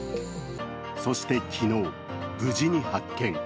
そして、昨日、無事に発見。